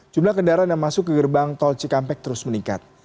jumlah kendaraan yang masuk ke gerbang tol cikampek terus meningkat